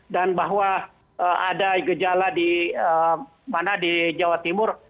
dan bahwa ada gejala di mana di jawa timur